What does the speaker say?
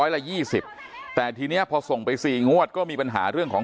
๑๐๐บาทละ๒๐บาทแต่ทีนี้พอส่งไป๔งวดก็มีปัญหาเรื่องของ